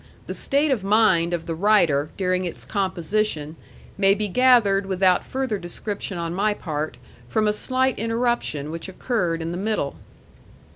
The state of mind of the writer during its composition may be gathered without further description on my part from a slight interruption which occurred in the middle.